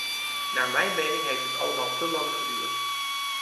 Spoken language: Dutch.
Naar mijn mening heeft het allemaal te lang geduurd.